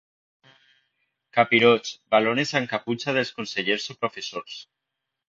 Capirots, valones amb caputxa dels consellers o professors.